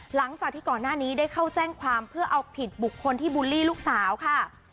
หลังจากที่ก่อนหน้านี้ได้เข้าแจ้งความเพื่อเอาผิดบุคคลที่บูลลี่ลูกสาวค่ะ